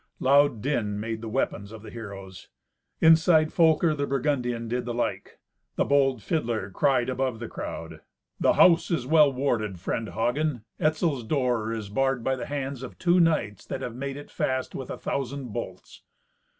Loud din made the weapons of the heroes. Inside, Folker the Burgundian did the like. The bold fiddler cried above the crowd, "The house is well warded, friend Hagen; Etzel's door is barred by the hands of two knights that have made it fast with a thousand bolts."